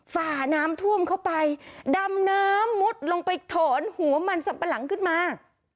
ฝ่าน้ำท่วมเข้าไปดำน้ำมุดลงไปถอนหัวมันสับปะหลังขึ้นมา